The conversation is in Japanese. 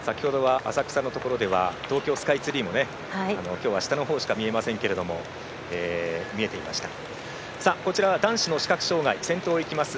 浅草のところでは東京スカイツリーもきょうは下のほうしか見えませんが見えていました。